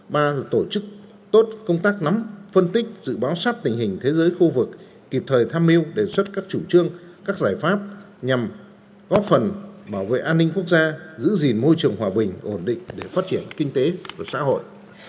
ba là tổ chức tốt công tác nắm phân tích dự báo sát tình hình thế giới khu vực kịp thời tham mưu đề xuất các chủ trương các giải pháp nhằm góp phần bảo vệ an ninh quốc gia giữ gìn môi trường hòa bình ổn định để phát triển kinh tế của xã hội